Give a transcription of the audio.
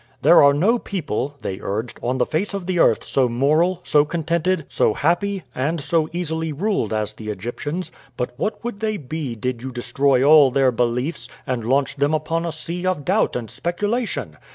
"There are no people," they urged, "on the face of the earth so moral, so contented, so happy, and so easily ruled as the Egyptians; but what would they be did you destroy all their beliefs, and launch them upon a sea of doubt and speculation!